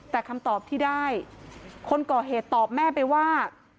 แต่คำตอบที่ได้คนก่อเหตุตอบแม่ไปว่า